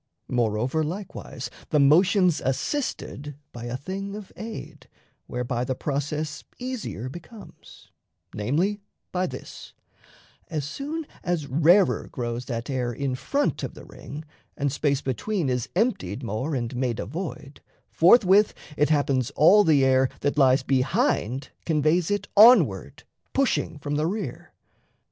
Moreover, likewise, The motion's assisted by a thing of aid (Whereby the process easier becomes), Namely, by this: as soon as rarer grows That air in front of the ring, and space between Is emptied more and made a void, forthwith It happens all the air that lies behind Conveys it onward, pushing from the rear.